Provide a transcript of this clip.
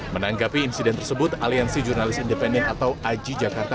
menanggapi insiden tersebut aliansi jurnalis independen atau aji jakarta